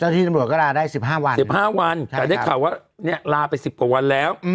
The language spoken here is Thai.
๑๕วันแต่ได้ข่าวลาไป๑๐กวันแล้ว